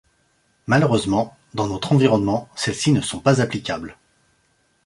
Malheureusement, dans notre environnement, celles-ci ne sont pas applicables.